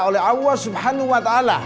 oleh allah swt